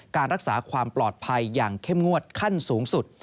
การรักษาความปลอดภัยอย่างเข้มงวดขั้นสูงสุด